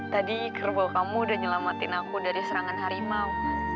tadi kerbau kamu udah nyelamatin aku dari serangan harimau